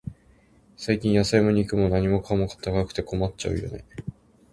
最近、野菜も肉も、何かも高くて困っちゃうよね。